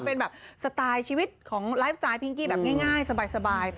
เป็นแบบสไตล์ชีวิตของไลฟ์สไตล์พิงกี้แบบง่ายสบาย